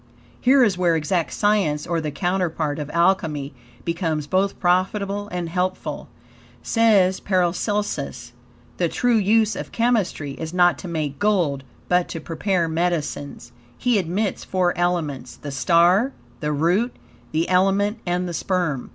Here is where exact science, or the counterpart of Alchemy, becomes both profitable and helpful. Says Paracelsus: "The true use of chemistry is not to make gold, but to prepare medicines." He admits four elements the STAR, the ROOT, the ELEMENT and the SPERM.